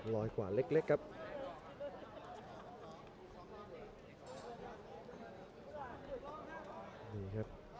ร้อยกว่าเล็กครับ